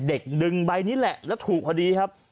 ดึงใบนี้แหละแล้วถูกพอดีครับ